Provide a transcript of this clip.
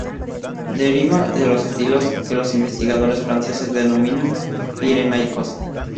Deriva de los estilos que los investigadores franceses denominan pirenaicos.